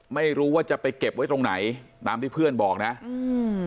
ไม่รู้ว่าจะไปเก็บไว้ตรงไหนตามที่เพื่อนบอกนะอืม